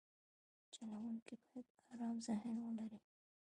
چلوونکی باید ارام ذهن ولري.